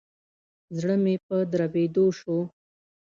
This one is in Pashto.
زړه مي په دربېدو شو.